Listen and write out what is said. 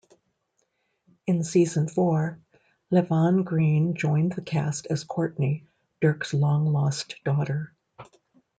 In season four, Laivan Greene joined the cast as Courtney, Dirk's long-lost daughter.